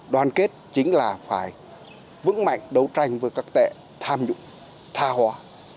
đoàn kết chính là phải vững mạnh đấu tranh với các tệ tham nhũng tha hóa